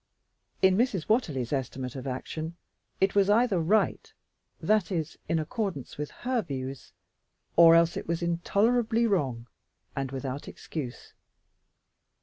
In Mrs. Watterly's estimate of action, it was either right, that is, in accordance with her views, or else it was intolerably wrong and without excuse.